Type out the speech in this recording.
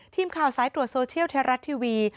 ทีมข่าวสายตรวจโซเชียลไทยรัฐทีวี